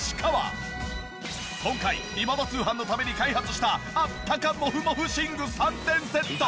今回『今田通販』のために開発したあったかモフモフ寝具３点セット。